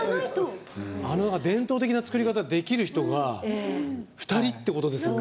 伝統的な作り方をできる人が２人ってことですよね。